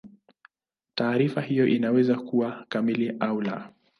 Taarifa hiyo inaweza kuwa kamili au la.